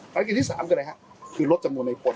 ภารกิจที่๓ในรถจำนวนในฝน